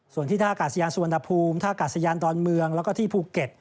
ส่วนที่ท่ากาศยานสุวรรณภูมิท่ากาศยานดอนเมืองแล้วก็ที่ภูเก็ต